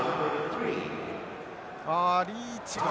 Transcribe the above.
あリーチが？